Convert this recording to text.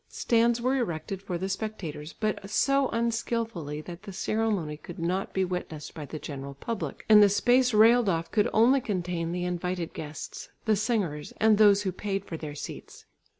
Stands were erected for the spectators, but so unskilfully that the ceremony could not be witnessed by the general public, and the space railed off could only contain the invited guests, the singers and those who paid for their seats.